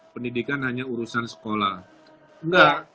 pendidikan itu dianggap tugasnya sekolah salah itu